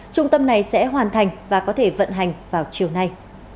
trung tâm này sẽ hoàn thành và có thể vận hành vào chiều nay